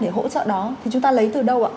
để hỗ trợ đó thì chúng ta lấy từ đâu ạ